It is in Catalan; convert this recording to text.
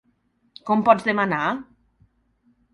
Com pots demanar!?